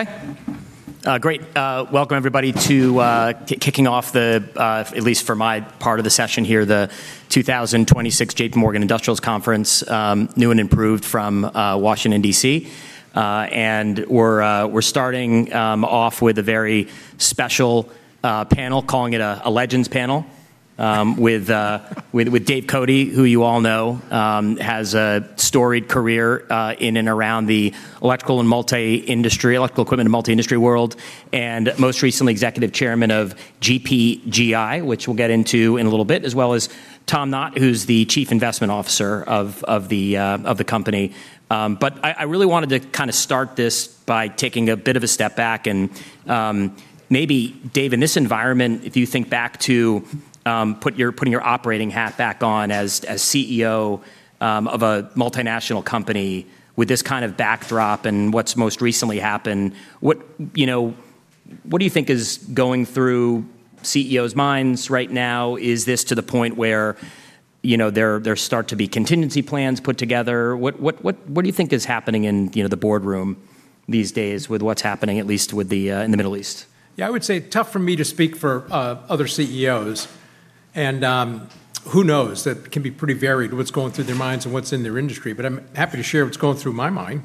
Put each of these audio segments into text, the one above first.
Okay. Great. Welcome everybody to kicking off the at least for my part of the session here, the 2026 JPMorgan Industrials Conference, new and improved from Washington, D.C. We're starting off with a very special panel, calling it a legends panel, with David Cote, who you all know, has a storied career in and around the electrical and multi-industry, electrical equipment and multi-industry world, and most recently Executive Chairman of GPGI, which we'll get into in a little bit, as well as Thomas Knott, who's the Chief Investment Officer of the company. I really wanted to kinda start this by taking a bit of a step back and, maybe, David, in this environment, if you think back to, putting your operating hat back on as CEO of a multinational company with this kind of backdrop and what's most recently happened, what, you know, what do you think is going through CEOs' minds right now? Is this to the point where, you know, there start to be contingency plans put together? What do you think is happening in, you know, the boardroom these days with what's happening, at least with the in the Middle East? Yeah, I would say tough for me to speak for, other CEOs. Who knows? That can be pretty varied what's going through their minds and what's in their industry. I'm happy to share what's going through my mind.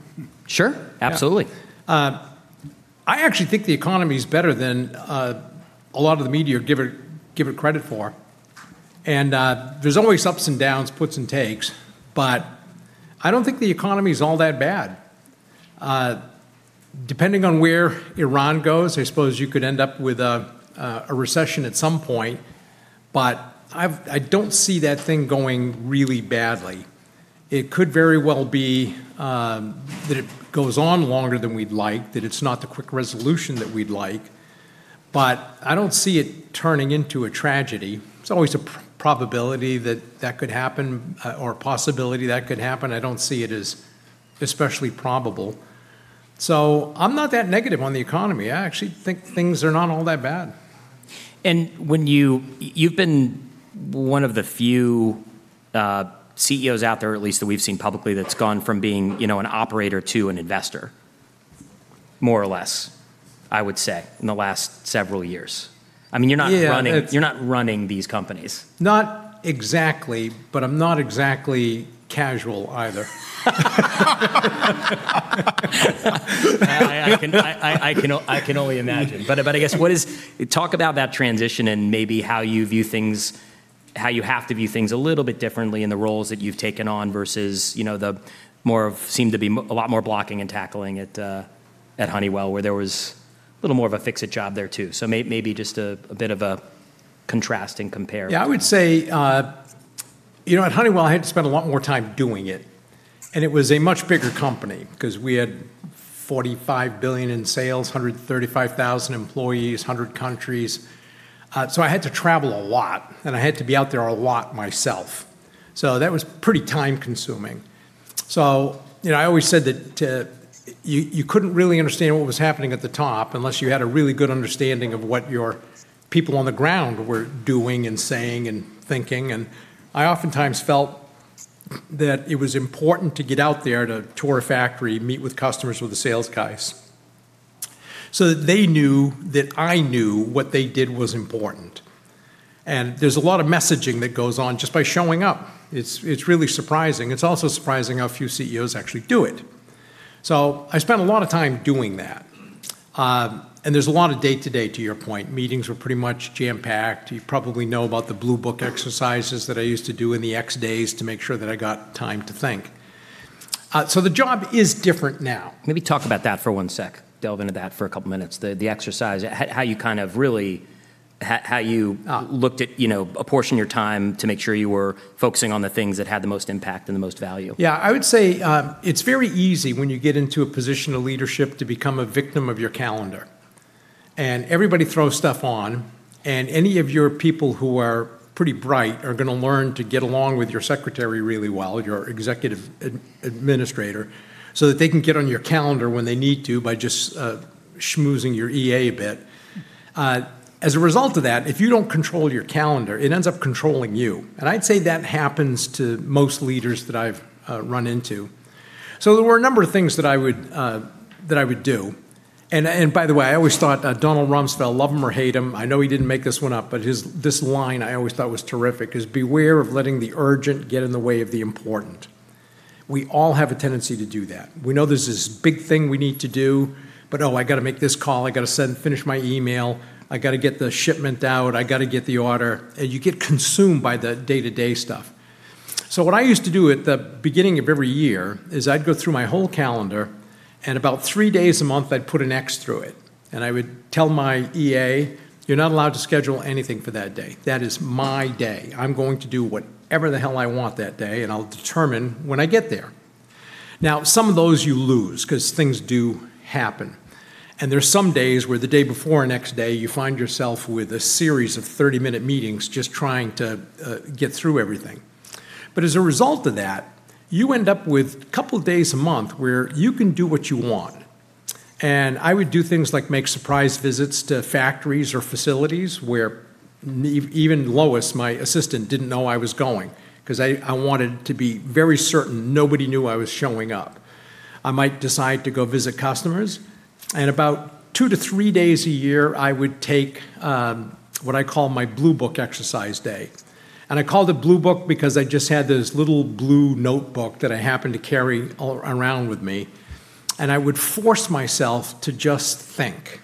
Sure. Yeah. Absolutely. I actually think the economy's better than a lot of the media give it credit for. There's always ups and downs, puts and takes, but I don't think the economy's all that bad. Depending on where Iran goes, I suppose you could end up with a recession at some point, but I don't see that thing going really badly. It could very well be that it goes on longer than we'd like, that it's not the quick resolution that we'd like, but I don't see it turning into a tragedy. There's always a probability that that could happen, or a possibility that could happen. I don't see it as especially probable. I'm not that negative on the economy. I actually think things are not all that bad. You've been one of the few CEOs out there, at least that we've seen publicly, that's gone from being, you know, an operator to an investor, more or less, I would say, in the last several years. I mean, you're not running- Yeah. You're not running these companies. Not exactly, but I'm not exactly casual either. I can only imagine. I guess, talk about that transition and maybe how you view things, how you have to view things a little bit differently in the roles that you've taken on versus, you know, the more it seems to be a lot more blocking and tackling at Honeywell, where there was a little more of a fix-it job there too. Maybe just a bit of a contrast and compare. Yeah, I would say, you know, at Honeywell, I had to spend a lot more time doing it, and it was a much bigger company, 'cause we had $45 billion in sales, 135,000 employees, 100 countries. I had to travel a lot, and I had to be out there a lot myself. That was pretty time-consuming. You know, I always said that, you couldn't really understand what was happening at the top unless you had a really good understanding of what your people on the ground were doing and saying and thinking. I oftentimes felt that it was important to get out there to tour a factory, meet with customers, with the sales guys, so that they knew that I knew what they did was important. There's a lot of messaging that goes on just by showing up. It's really surprising. It's also surprising how few CEOs actually do it. I spent a lot of time doing that. There's a lot of day-to-day, to your point. Meetings were pretty much jam-packed. You probably know about the Blue Book exercises that I used to do in the X days to make sure that I got time to think. The job is different now. Maybe talk about that for one sec. Delve into that for a couple minutes. The exercise. How you kind of really Uh Looked at, you know, apportion your time to make sure you were focusing on the things that had the most impact and the most value. Yeah. I would say, it's very easy when you get into a position of leadership to become a victim of your calendar. Everybody throws stuff on, and any of your people who are pretty bright are gonna learn to get along with your secretary really well, your executive administrator, so that they can get on your calendar when they need to by just schmoozing your EA a bit. As a result of that, if you don't control your calendar, it ends up controlling you. I'd say that happens to most leaders that I've run into. There were a number of things that I would do. By the way, I always thought, Donald Rumsfeld, love him or hate him, I know he didn't make this one up, but his, this line I always thought was terrific, is, "Beware of letting the urgent get in the way of the important." We all have a tendency to do that. We know there's this big thing we need to do, but oh, I gotta make this call. I gotta send, finish my email. I gotta get the shipment out. I gotta get the order. And you get consumed by the day-to-day stuff. So what I used to do at the beginning of every year is I'd go through my whole calendar, and about three days a month, I'd put an X through it, and I would tell my EA, "You're not allowed to schedule anything for that day. That is my day. I'm going to do whatever the hell I want that day, and I'll determine when I get there." Now, some of those you lose, 'cause things do happen, and there's some days where the day before or next day you find yourself with a series of 30-minute meetings just trying to get through everything. As a result of that, you end up with couple days a month where you can do what you want. I would do things like make surprise visits to factories or facilities where even Lois, my assistant, didn't know I was going because I wanted to be very certain nobody knew I was showing up. I might decide to go visit customers, and about 2-3 days a year, I would take what I call my Blue Book exercise day. I called it Blue Book because I just had this little blue notebook that I happened to carry around with me, and I would force myself to just think.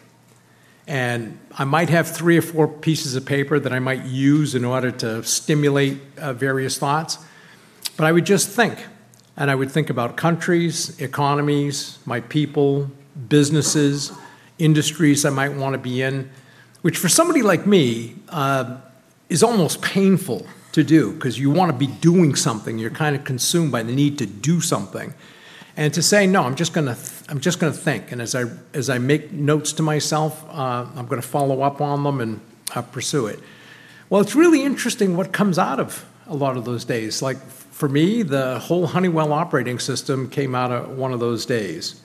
I might have three or four pieces of paper that I might use in order to stimulate various thoughts. But I would just think, and I would think about countries, economies, my people, businesses, industries I might wanna be in, which for somebody like me is almost painful to do because you wanna be doing something. You're kinda consumed by the need to do something. To say, "No, I'm just gonna think, and as I make notes to myself, I'm gonna follow up on them and pursue it." Well, it's really interesting what comes out of a lot of those days. Like for me, the whole Honeywell Operating System came out of one of those days.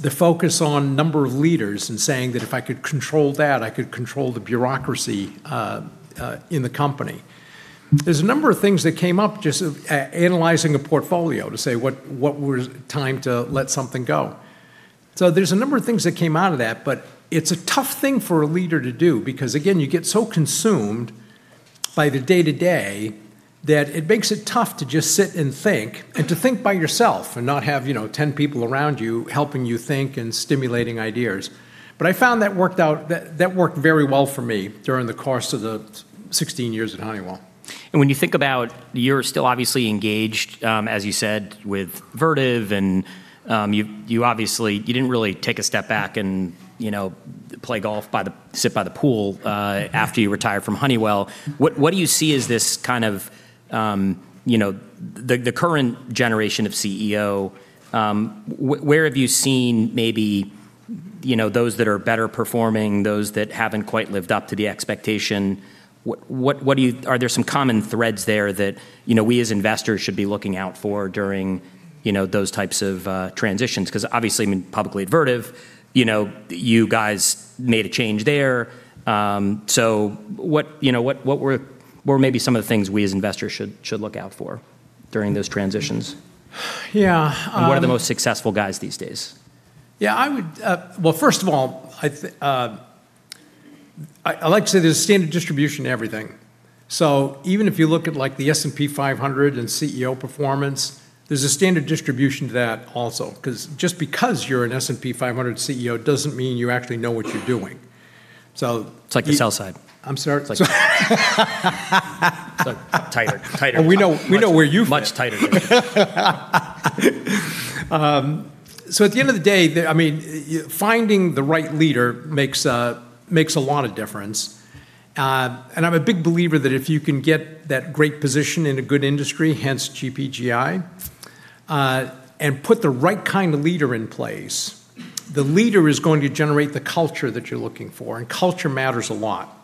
The focus on number of leaders and saying that if I could control that, I could control the bureaucracy in the company. There's a number of things that came up just analyzing a portfolio to say, what was time to let something go. There's a number of things that came out of that, but it's a tough thing for a leader to do because again, you get so consumed by the day-to-day that it makes it tough to just sit and think, and to think by yourself and not have, you know, 10 people around you helping you think and stimulating ideas. I found that worked out, that worked very well for me during the course of the 16 years at Honeywell. When you think about, you're still obviously engaged, as you said, with Vertiv and you obviously didn't really take a step back and, you know, play golf or sit by the pool after you retired from Honeywell. What do you see as this kind of, you know, the current generation of CEO, where have you seen maybe, you know, those that are better performing, those that haven't quite lived up to the expectation? Are there some common threads there that, you know, we as investors should be looking out for during, you know, those types of transitions? Because obviously, I mean, publicly at Vertiv, you know, you guys made a change there. What, you know, what were maybe some of the things we as investors should look out for during those transitions? Yeah. What are the most successful guys these days? Yeah, I would. Well, first of all, I like to say there's a standard distribution to everything. Even if you look at like the S&P 500 and CEO performance, there's a standard distribution to that also, 'cause just because you're an S&P 500 CEO doesn't mean you actually know what you're doing. It's like the sell side. I'm sorry? Tighter. Tighter. We know, we know where you fit. Much tighter. At the end of the day, I mean, finding the right leader makes a lot of difference. I'm a big believer that if you can get that great position in a good industry, hence GPGI, and put the right kind of leader in place, the leader is going to generate the culture that you're looking for, and culture matters a lot.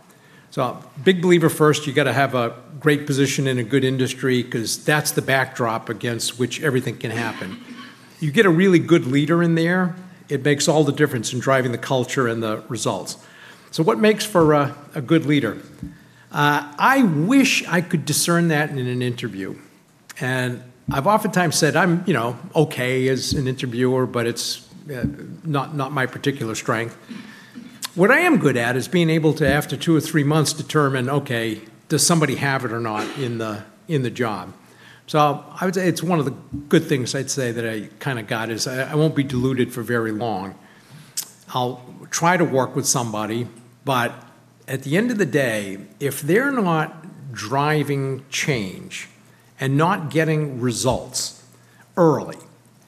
Big believer first, you gotta have a great position in a good industry, 'cause that's the backdrop against which everything can happen. You get a really good leader in there, it makes all the difference in driving the culture and the results. What makes for a good leader? I wish I could discern that in an interview. I've oftentimes said I'm, you know, okay as an interviewer, but it's not my particular strength. What I am good at is being able to, after two or three months, determine, okay, does somebody have it or not in the job? I would say it's one of the good things I'd say that I kinda got is I won't be deluded for very long. I'll try to work with somebody, but at the end of the day, if they're not driving change and not getting results early,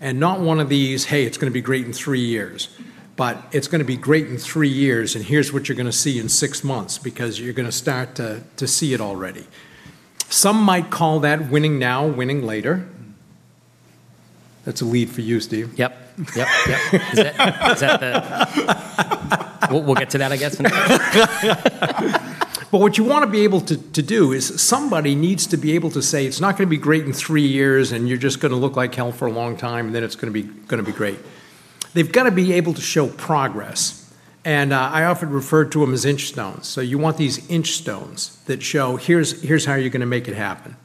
and not one of these, "Hey, it's gonna be great in three years," but, "It's gonna be great in three years, and here's what you're gonna see in six months, because you're gonna start to see it already." Some might call that Winning Now, Winning Later. That's a lead for you, Steve. Yep. We'll get to that, I guess, in a bit. What you wanna be able to do is somebody needs to be able to say, "It's not gonna be great in three years, and you're just gonna look like hell for a long time, and then it's gonna be great." They've gotta be able to show progress. I often refer to them as inchstones. You want these inchstones that show, "Here's how you're gonna make it happen."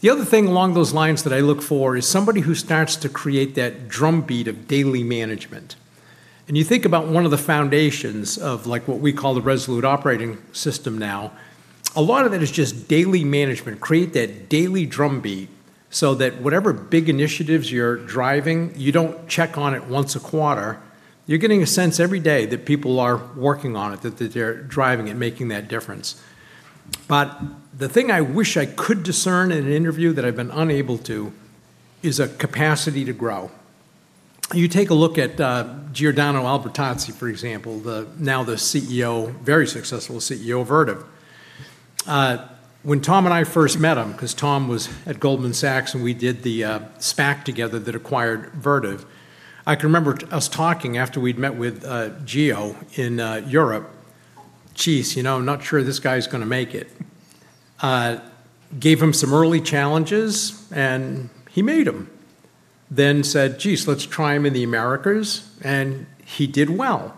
The other thing along those lines that I look for is somebody who starts to create that drumbeat of daily management. You think about one of the foundations of, like, what we call the Resolute Operating System now, a lot of it is just daily management. Create that drumbeat so that whatever big initiatives you're driving, you don't check on it once a quarter. You're getting a sense every day that people are working on it, that they're driving it, making that difference. But the thing I wish I could discern in an interview that I've been unable to is a capacity to grow. You take a look at Giordano Albertazzi, for example, now the CEO, very successful CEO of Vertiv. When Tom and I first met him, 'cause Tom was at Goldman Sachs, and we did the SPAC together that acquired Vertiv. I can remember us talking after we'd met with Gio in Europe. "Geez, you know, I'm not sure this guy's gonna make it." Gave him some early challenges, and he made them. Then said, "Geez, let's try him in the Americas." He did well.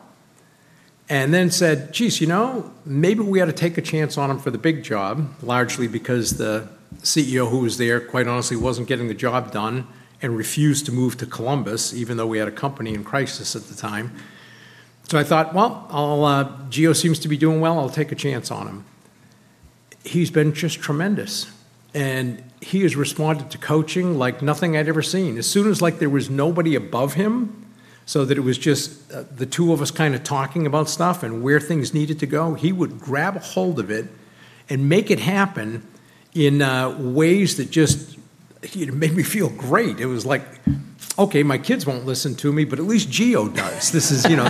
Then said, "Geez, you know, maybe we ought to take a chance on him for the big job", largely because the CEO who was there, quite honestly, wasn't getting the job done, and refused to move to Columbus even though we had a company in crisis at the time. I thought, "Well, I'll, Gio seems to be doing well, I'll take a chance on him." He's been just tremendous, and he has responded to coaching like nothing I'd ever seen. As soon as like there was nobody above him, so that it was just, the two of us kinda talking about stuff and where things needed to go, he would grab hold of it and make it happen in, ways that just. He'd make me feel great. It was like, "Okay, my kids won't listen to me, but at least Gio does." This is, you know,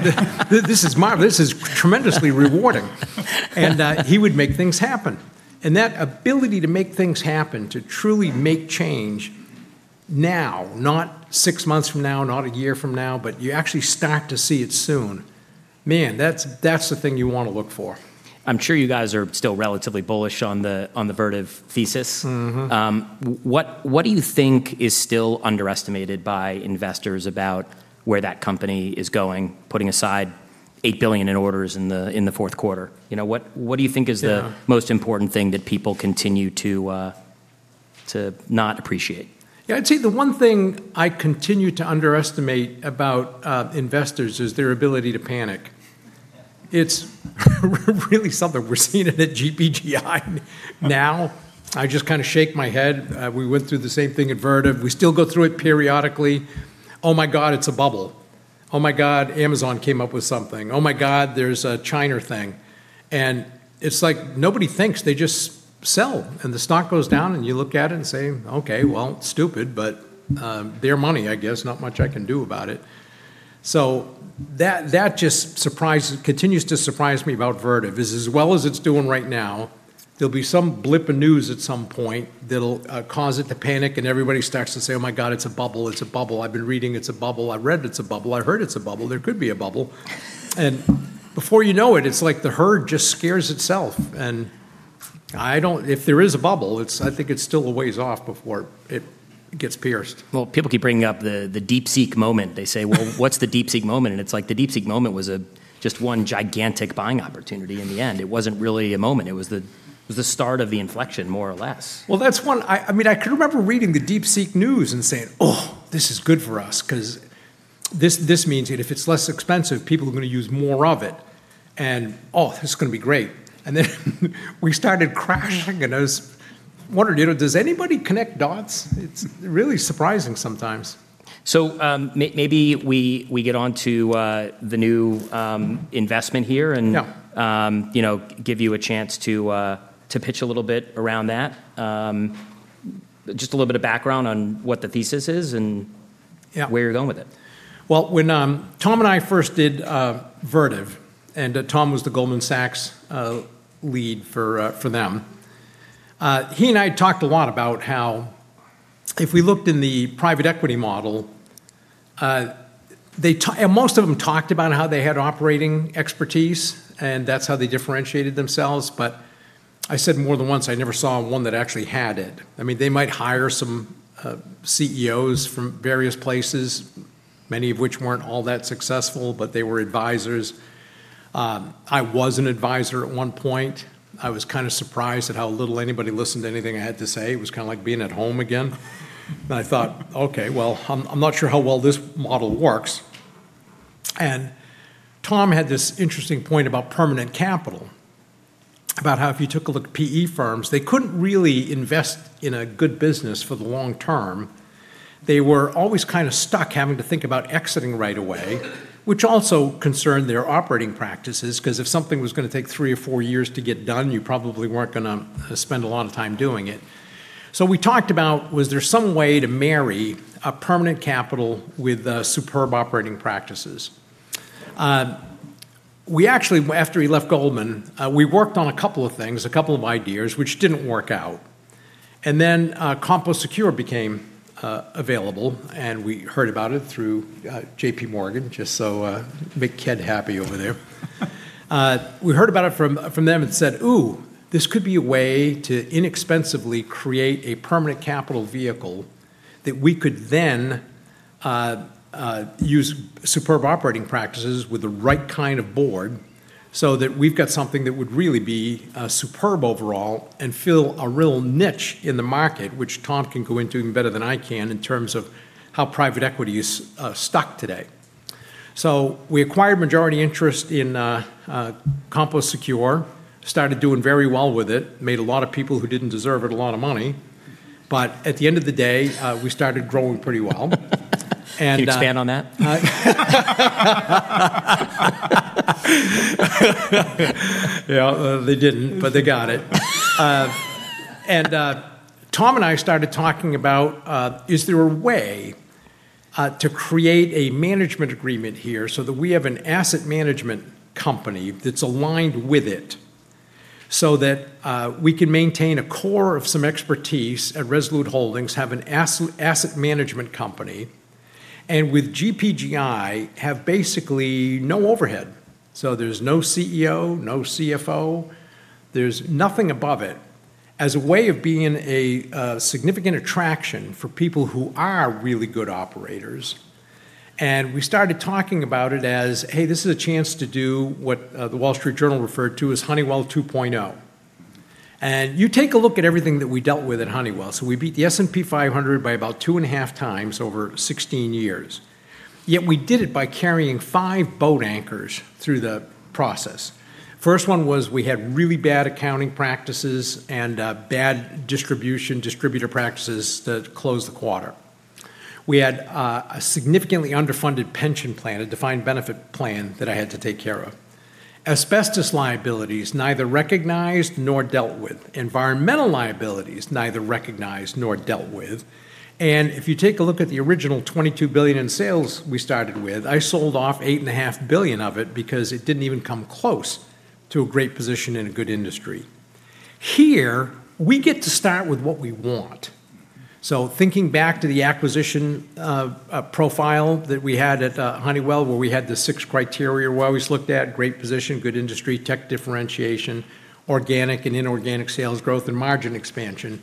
this is marvelous. This is tremendously rewarding. He would make things happen. That ability to make things happen, to truly make change now, not six months from now, not a year from now, but you actually start to see it soon, man, that's the thing you wanna look for. I'm sure you guys are still relatively bullish on the Vertiv thesis. Mm-hmm. What do you think is still underestimated by investors about where that company is going, putting aside $8 billion in orders in the fourth quarter? You know, what do you think is the- Yeah Most important thing that people continue to not appreciate? Yeah, I'd say the one thing I continue to underestimate about investors is their ability to panic. It's really something. We're seeing it at GPGI now. I just kinda shake my head. We went through the same thing at Vertiv. We still go through it periodically. "Oh my God, it's a bubble. Oh my God, Amazon came up with something. Oh my God, there's a China thing." And it's like nobody thinks, they just sell, and the stock goes down, and you look at it and say, "Okay, well, stupid, but their money, I guess. Not much I can do about it." So that just continues to surprise me about Vertiv, is as well as it's doing right now, there'll be some blip of news at some point that'll cause it to panic and everybody starts to say, "Oh my God, it's a bubble. It's a bubble. I've been reading it's a bubble. I read it's a bubble. I heard it's a bubble. There could be a bubble. Before you know it's like the herd just scares itself. If there is a bubble, it's, I think it's still a ways off before it gets pierced. Well, people keep bringing up the DeepSeek moment. They say, "Well, what's the DeepSeek moment?" It's like the DeepSeek moment was just one gigantic buying opportunity in the end. It wasn't really a moment. It was the start of the inflection more or less. Well, that's one. I mean, I can remember reading the DeepSeek news and saying, "Oh, this is good for us," 'cause this means that if it's less expensive, people are gonna use more of it, and, "Oh, this is gonna be great." Then we started crashing, and I was wondering, you know, does anybody connect dots? It's really surprising sometimes. Maybe we get onto the new investment here and Yeah you know, give you a chance to pitch a little bit around that. Just a little bit of background on what the thesis is. Yeah where you're going with it. Well, when Tom and I first did Vertiv, and Tom was the Goldman Sachs lead for them, he and I talked a lot about how if we looked in the private equity model, and most of them talked about how they had operating expertise, and that's how they differentiated themselves. I said more than once, I never saw one that actually had it. I mean, they might hire some CEOs from various places, many of which weren't all that successful, but they were advisors. I was an advisor at one point. I was kinda surprised at how little anybody listened to anything I had to say. It was kinda like being at home again. I thought, "Okay, well, I'm not sure how well this model works." Tom had this interesting point about permanent capital, about how if you took a look at PE firms, they couldn't really invest in a good business for the long term. They were always kinda stuck having to think about exiting right away, which also concerned their operating practices, 'cause if something was gonna take three or four years to get done, you probably weren't gonna spend a lot of time doing it. We talked about was there some way to marry a permanent capital with superb operating practices. We actually, after he left Goldman, we worked on a couple of things, a couple of ideas, which didn't work out. CompoSecure became available, and we heard about it through JPMorgan, just so make Ken happy over there. We heard about it from them and said, "Ooh, this could be a way to inexpensively create a permanent capital vehicle that we could then use superb operating practices with the right kind of board so that we've got something that would really be superb overall and fill a real niche in the market," which Tom can go into even better than I can in terms of how private equity is stuck today. We acquired majority interest in CompoSecure, started doing very well with it, made a lot of people who didn't deserve it a lot of money. At the end of the day, we started growing pretty well. Huge fan on that. Yeah, well, they didn't, but they got it. Tom and I started talking about is there a way to create a management agreement here so that we have an asset management company that's aligned with it, so that we can maintain a core of some expertise at Resolute Holdings, have an asset management company and with GPGI, have basically no overhead. There's no CEO, no CFO, there's nothing above it. As a way of being a significant attraction for people who are really good operators, and we started talking about it as, "Hey, this is a chance to do what the Wall Street Journal referred to as Honeywell 2.0." You take a look at everything that we dealt with at Honeywell. We beat the S&P 500 by about 2.5x over 16 years, yet we did it by carrying five boat anchors through the process. First one was we had really bad accounting practices and bad distribution, distributor practices that closed the quarter. We had a significantly underfunded pension plan, a defined benefit plan that I had to take care of. Asbestos liabilities neither recognized nor dealt with. Environmental liabilities neither recognized nor dealt with. If you take a look at the original $22 billion in sales we started with, I sold off $8.5 billion of it because it didn't even come close to a great position in a good industry. Here, we get to start with what we want. Thinking back to the acquisition profile that we had at Honeywell, where we had the six criteria where we always looked at great position, good industry, tech differentiation, organic and inorganic sales growth, and margin expansion.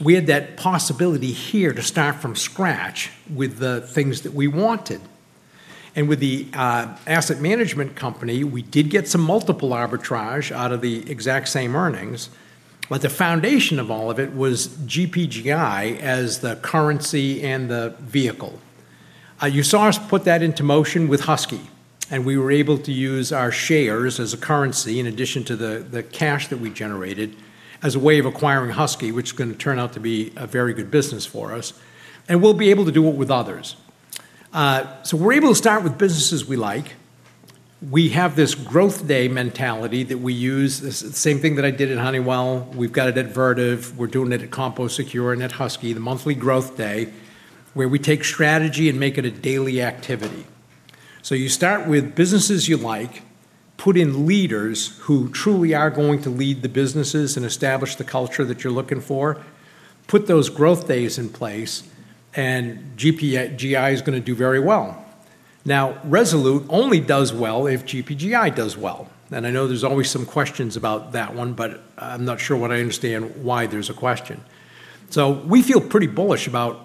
We had that possibility here to start from scratch with the things that we wanted. With the asset management company, we did get some multiple arbitrage out of the exact same earnings, but the foundation of all of it was GPGI as the currency and the vehicle. You saw us put that into motion with Husky, and we were able to use our shares as a currency in addition to the cash that we generated as a way of acquiring Husky, which is gonna turn out to be a very good business for us, and we'll be able to do it with others. We're able to start with businesses we like. We have this growth day mentality that we use. Same thing that I did at Honeywell, we've got it at Vertiv, we're doing it at CompoSecure and at Husky, the monthly growth day, where we take strategy and make it a daily activity. You start with businesses you like, put in leaders who truly are going to lead the businesses and establish the culture that you're looking for, put those growth days in place, and GPGI is gonna do very well. Now, Resolute only does well if GPGI does well, and I know there's always some questions about that one, but I'm not sure why there's a question. We feel pretty bullish about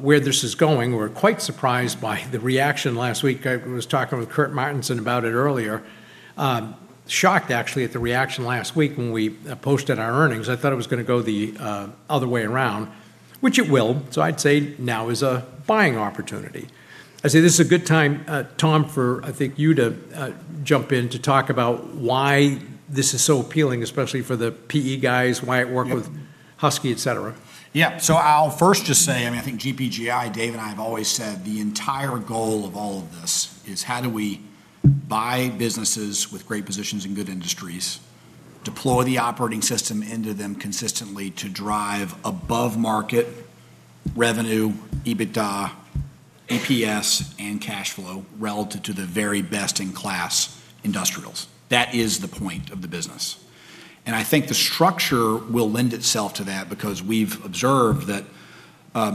where this is going. We're quite surprised by the reaction last week. I was talking with Kurt Martinson about it earlier. Shocked actually at the reaction last week when we posted our earnings. I thought it was gonna go the other way around, which it will. I'd say now is a buying opportunity. I'd say this is a good time, Tom, for I think you to jump in to talk about why this is so appealing, especially for the PE guys, why it worked with Husky, etc. Yeah. I'll first just say, I mean, I think GPGI, Dave and I have always said the entire goal of all of this is how do we buy businesses with great positions in good industries, deploy the operating system into them consistently to drive above market revenue, EBITDA, EPS, and cash flow relative to the very best in class industrials. That is the point of the business. I think the structure will lend itself to that because we've observed that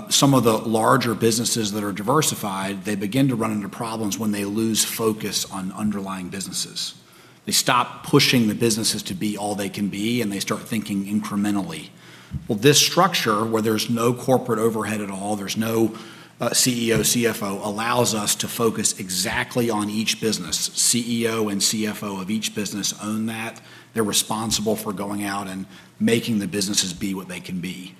some of the larger businesses that are diversified, they begin to run into problems when they lose focus on underlying businesses. They stop pushing the businesses to be all they can be, and they start thinking incrementally. Well, this structure where there's no corporate overhead at all, there's no CEO, CFO, allows us to focus exactly on each business. CEO and CFO of each business own that. They're responsible for going out and making the businesses be what they can be.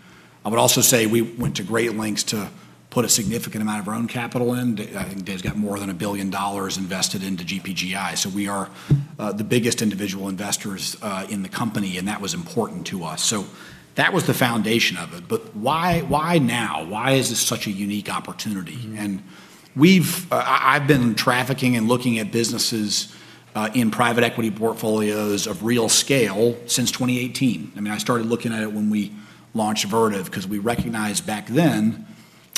I would also say we went to great lengths to put a significant amount of our own capital in. Dave's got more than $1 billion invested into GPGI. We are the biggest individual investors in the company, and that was important to us. That was the foundation of it. Why, why now? Why is this such a unique opportunity? Mm-hmm. I've been trafficking and looking at businesses in private equity portfolios of real scale since 2018. I mean, I started looking at it when we launched Vertiv because we recognized back then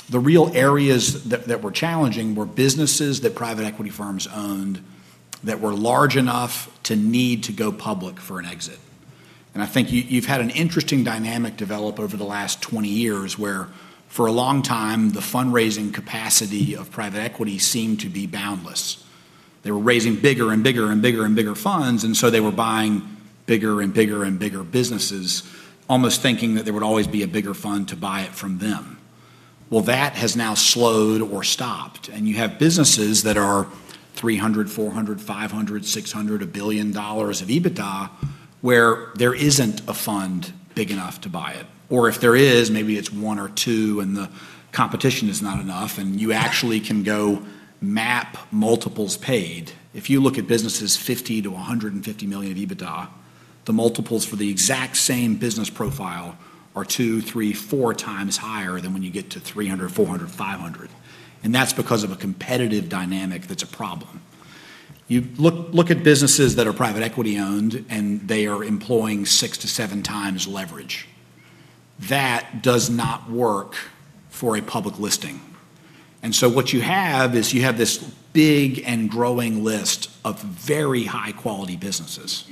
the real areas that were challenging were businesses that private equity firms owned that were large enough to need to go public for an exit. I think you've had an interesting dynamic develop over the last 20 years where for a long time, the fundraising capacity of private equity seemed to be boundless. They were raising bigger and bigger and bigger and bigger funds, and so they were buying bigger and bigger and bigger businesses, almost thinking that there would always be a bigger fund to buy it from them. Well, that has now slowed or stopped, and you have businesses that are $300 million, $400 million, $500 million, $600 million, $1 billion of EBITDA where there isn't a fund big enough to buy it. Or if there is, maybe it's one or two, and the competition is not enough, and you actually can go map multiples paid. If you look at businesses $50 million-$150 million of EBITDA, the multiples for the exact same business profile are 2x, 3x, 4x higher than when you get to $300 million, $400 million, $500 million. That's because of a competitive dynamic that's a problem. You look at businesses that are private equity owned, and they are employing 6x-7x leverage. That does not work for a public listing. What you have is you have this big and growing list of very high-quality businesses.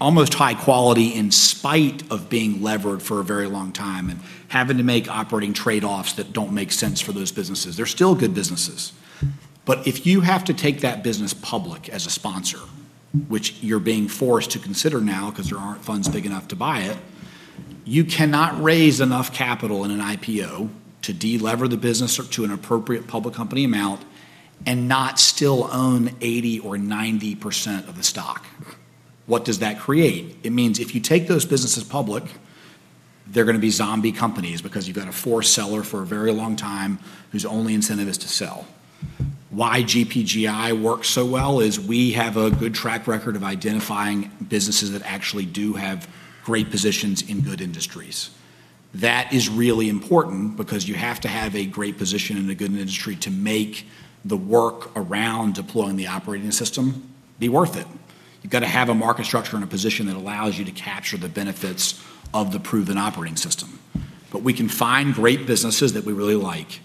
almost high quality in spite of being levered for a very long time and having to make operating trade-offs that don't make sense for those businesses. They're still good businesses. If you have to take that business public as a sponsor, which you're being forced to consider now because there aren't funds big enough to buy it, you cannot raise enough capital in an IPO to de-lever the business or to an appropriate public company amount and not still own 80% or 90% of the stock. What does that create? It means if you take those businesses public, they're going to be zombie companies because you've got a forced seller for a very long time whose only incentive is to sell. Why GPGI works so well is we have a good track record of identifying businesses that actually do have great positions in good industries. That is really important because you have to have a great position in a good industry to make the work around deploying the operating system be worth it. You've got to have a market structure and a position that allows you to capture the benefits of the proven operating system. But we can find great businesses that we really like.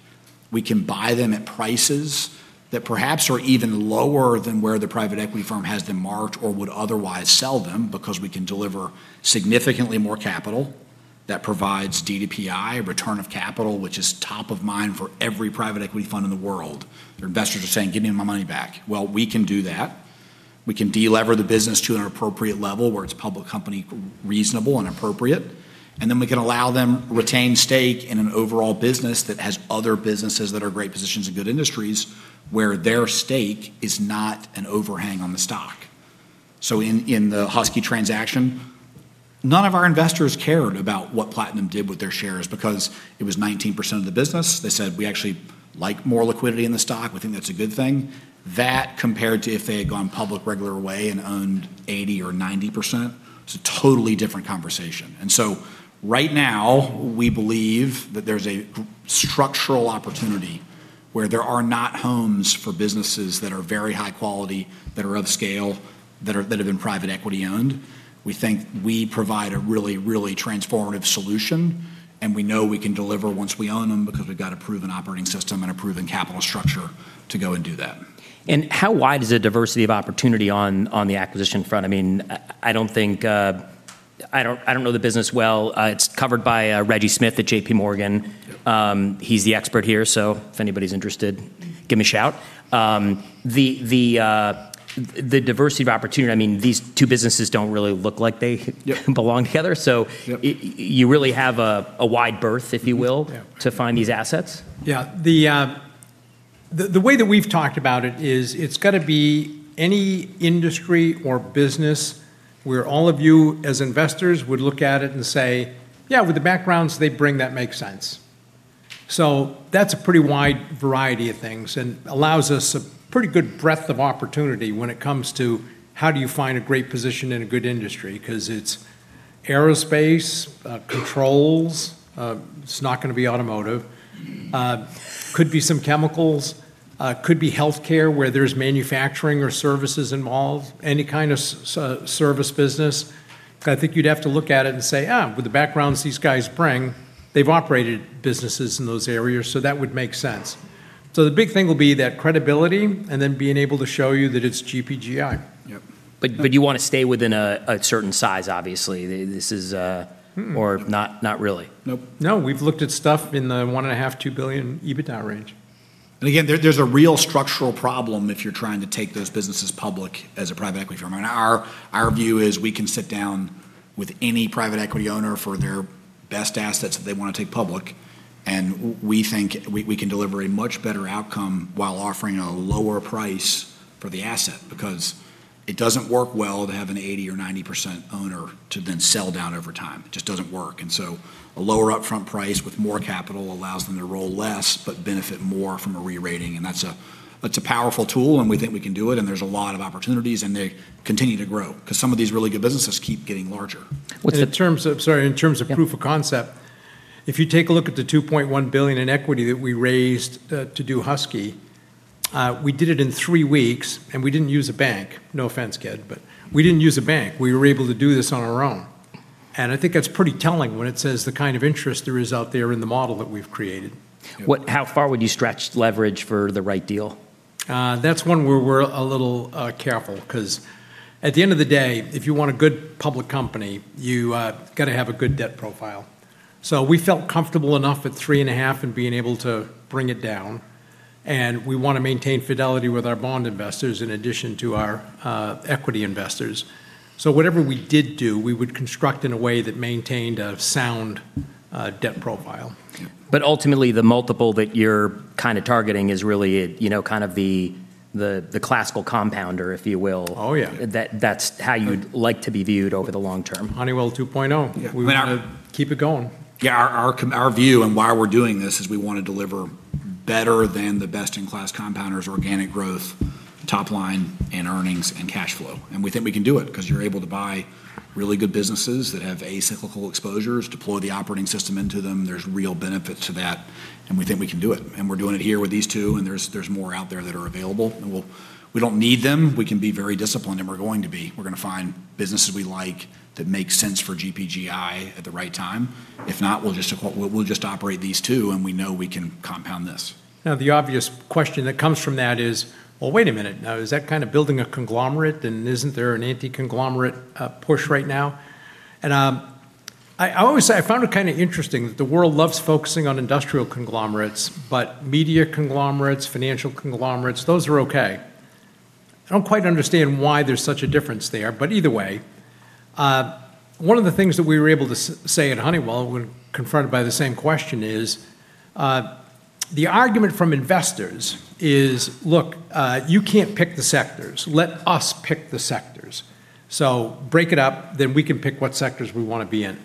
We can buy them at prices that perhaps are even lower than where the private equity firm has them marked or would otherwise sell them because we can deliver significantly more capital that provides DPI, return of capital, which is top of mind for every private equity fund in the world. Their investors are saying, "Give me my money back." Well, we can do that. We can de-lever the business to an appropriate level where it's public company reasonable and appropriate, and then we can allow them retained stake in an overall business that has other businesses that are great positions in good industries where their stake is not an overhang on the stock. In the Husky transaction, none of our investors cared about what Platinum did with their shares because it was 19% of the business. They said, "We actually like more liquidity in the stock. We think that's a good thing." That compared to if they had gone public regular way and owned 80% or 90%, it's a totally different conversation. Right now we believe that there's a structural opportunity where there are not homes for businesses that are very high quality, that are of scale, that have been private equity owned. We think we provide a really, really transformative solution, and we know we can deliver once we own them because we've got a proven operating system and a proven capital structure to go and do that. How wide is the diversity of opportunity on the acquisition front? I mean, I don't think I know the business well. It's covered by Reginald Smith at JPMorgan. He's the expert here, so if anybody's interested, give me a shout. The diversity of opportunity, I mean, these two businesses don't really look like they belong together. Yep. You really have a wide berth, if you will. Yeah to find these assets? Yeah. The way that we've talked about it is it's got to be any industry or business where all of you as investors would look at it and say, "Yeah, with the backgrounds they bring, that makes sense." That's a pretty wide variety of things and allows us a pretty good breadth of opportunity when it comes to how do you find a great position in a good industry, because it's aerospace, controls, it's not going to be automotive. Could be some chemicals, could be healthcare where there's manufacturing or services involved, any kind of service business. I think you'd have to look at it and say, "with the backgrounds these guys bring, they've operated businesses in those areas, so that would make sense." The big thing will be that credibility and then being able to show you that it's GPGI. Yep. You want to stay within a certain size, obviously. This is. Mm-mm. Not really? Nope. No, we've looked at stuff in the 1.5-2 billion EBITDA range. Again, there's a real structural problem if you're trying to take those businesses public as a private equity firm. Our view is we can sit down with any private equity owner for their best assets that they want to take public, and we think we can deliver a much better outcome while offering a lower price for the asset because it doesn't work well to have an 80% or 90% owner to then sell down over time. It just doesn't work. A lower upfront price with more capital allows them to roll less but benefit more from a re-rating, and that's a powerful tool and we think we can do it and there's a lot of opportunities and they continue to grow, because some of these really good businesses keep getting larger. What's- In terms of proof of concept, if you take a look at the $2.1 billion in equity that we raised to do Husky, we did it in three weeks and we didn't use a bank. No offense, Ken, but we didn't use a bank. We were able to do this on our own, and I think that's pretty telling when it says the kind of interest there is out there in the model that we've created. How far would you stretch leverage for the right deal? That's one where we're a little careful because at the end of the day, if you want a good public company, you got to have a good debt profile. We felt comfortable enough at 3.5 and being able to bring it down, and we want to maintain fidelity with our bond investors in addition to our equity investors. Whatever we did do, we would construct in a way that maintained a sound debt profile. Ultimately, the multiple that you're kinda targeting is really, you know, kind of the classical compounder, if you will. Oh, yeah. That's how you'd like to be viewed over the long term. Honeywell 2.0. Yeah. We want to keep it going. Yeah, our view and why we're doing this is we want to deliver better than the best in class compounders, organic growth, top line and earnings and cash flow, and we think we can do it because you're able to buy really good businesses that have cyclical exposures, deploy the operating system into them. There's real benefit to that, and we think we can do it, and we're doing it here with these two, and there's more out there that are available, and we don't need them. We can be very disciplined, and we're going to be. We're going to find businesses we like that make sense for GPGI at the right time. If not, we'll just operate these two, and we know we can compound this. Now, the obvious question that comes from that is, well, wait a minute now, is that kind of building a conglomerate, and isn't there an anti-conglomerate push right now? I always say I found it kind of interesting that the world loves focusing on industrial conglomerates, but media conglomerates, financial conglomerates, those are okay. I don't quite understand why there's such a difference there, but either way, one of the things that we were able to say at Honeywell when confronted by the same question is, the argument from investors is, "Look, you can't pick the sectors. Let us pick the sectors. Break it up, then we can pick what sectors we wanna be in.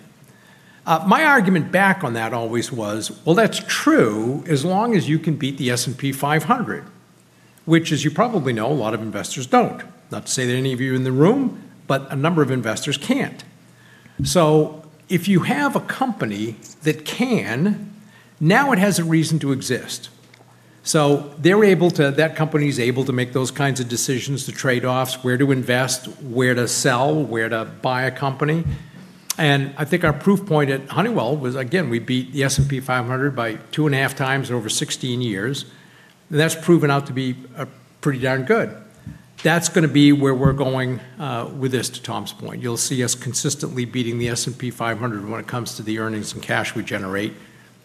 My argument back on that always was, "Well, that's true as long as you can beat the S&P 500," which, as you probably know, a lot of investors don't. Not to say that any of you in the room, but a number of investors can't. If you have a company that can, now it has a reason to exist, so that company's able to make those kinds of decisions, the trade-offs, where to invest, where to sell, where to buy a company. I think our proof point at Honeywell was, again, we beat the S&P 500 by 2.5x over 16 years. That's proven out to be pretty darn good. That's gonna be where we're going with this, to Tom's point. You'll see us consistently beating the S&P 500 when it comes to the earnings and cash we generate,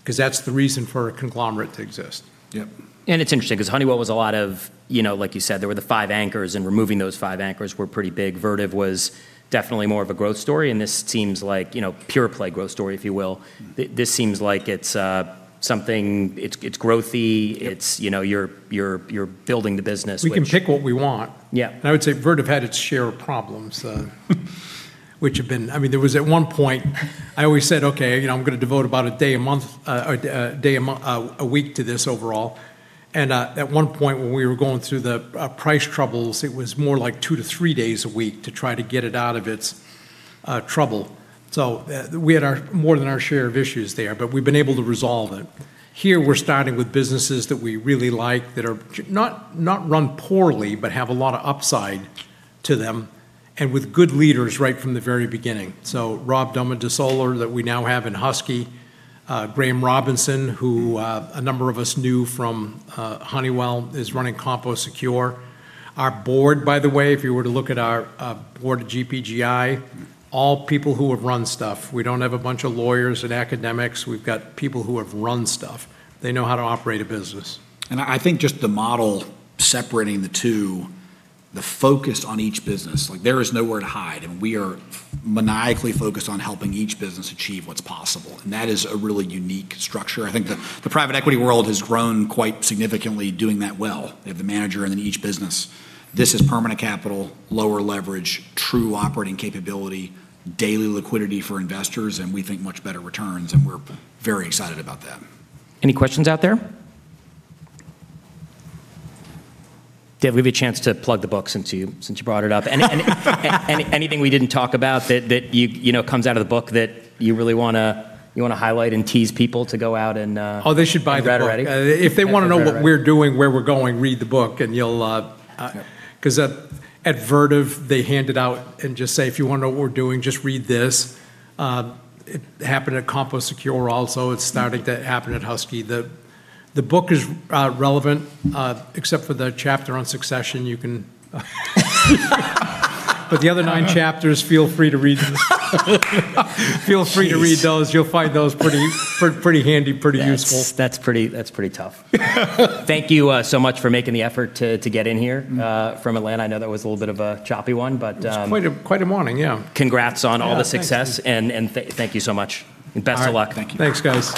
'cause that's the reason for a conglomerate to exist. Yeah. It's interesting 'cause Honeywell was a lot of, you know, like you said, there were the five anchors, and removing those five anchors were pretty big. Vertiv was definitely more of a growth story, and this seems like, you know, pure play growth story, if you will. Mm-hmm. This seems like it's something. It's growthy. Yeah. It's, you know, you're building the business, which- We can pick what we want. Yeah. I would say Vertiv had its share of problems, which have been. I mean, there was at one point, I always said, "Okay, you know, I'm gonna devote about a day a month to this overall," and at one point when we were going through the price troubles, it was more like two to three days a week to try to get it out of its trouble. We had more than our share of issues there, but we've been able to resolve it. Here, we're starting with businesses that we really like, that are not run poorly, but have a lot of upside to them, and with good leaders right from the very beginning. Rob Domodossola that we now have in Husky. Graham Robinson, who a number of us knew from Honeywell, is running CompoSecure. Our board, by the way, if you were to look at our board at GPGI- Mm All people who have run stuff. We don't have a bunch of lawyers and academics. We've got people who have run stuff. They know how to operate a business. I think just the model separating the two, the focus on each business, like there is nowhere to hide, and we are maniacally focused on helping each business achieve what's possible, and that is a really unique structure. I think the private equity world has grown quite significantly doing that well. They have the manager and then each business. This is permanent capital, lower leverage, true operating capability, daily liquidity for investors, and we think much better returns, and we're very excited about that. Any questions out there? Dave, we have a chance to plug the book since you brought it up. Anything we didn't talk about that you know comes out of the book that you really wanna highlight and tease people to go out and Oh, they should buy the book. Read already? If they wanna know what we're doing, where we're going, read the book, and you'll Yeah. Cause at Vertiv, they hand it out and just say, "If you wanna know what we're doing, just read this." It happened at CompoSecure also. It's starting to happen at Husky. The book is relevant, except for the chapter on succession. The other nine chapters, feel free to read them. Feel free to read those. Jeez. You'll find those pretty handy, pretty useful. That's pretty tough. Thank you so much for making the effort to get in here. Mm... from Atlanta. I know that was a little bit of a choppy one, but, It was quite a morning, yeah. Congrats on all the success. Yeah, thank you. Thank you so much, and best of luck. All right. Thank you. Thanks, guys.